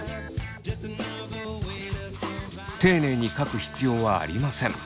丁寧に書く必要はありません。